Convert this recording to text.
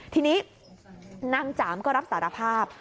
ทีนี้นางจามก็รับสารภาพ